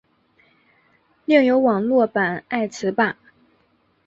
另有网络版爱词霸。